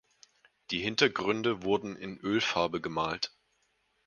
Die Hintergründe wurden in Ölfarbe gemalt.